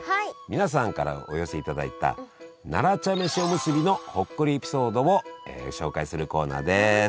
皆さんからお寄せいただいた奈良茶飯おむすびのほっこりエピソードを紹介するコーナーです。